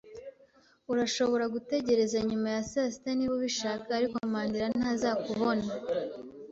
Urashobora gutegereza nyuma ya saa sita niba ubishaka, ariko Mandera ntazakubona.